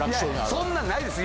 そんなないです。